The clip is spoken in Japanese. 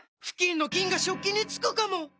フキンの菌が食器につくかも⁉